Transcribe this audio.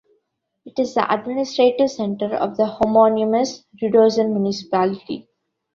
It is the administrative centre of the homonymous Rudozem Municipality.